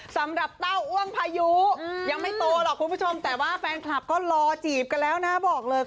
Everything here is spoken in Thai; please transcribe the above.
เต้าอ้วงพายุยังไม่โตหรอกคุณผู้ชมแต่ว่าแฟนคลับก็รอจีบกันแล้วนะบอกเลย